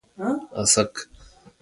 احمد ځان کوټې ته پټ کړي.